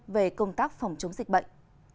về công tác phòng chống dịch bệnh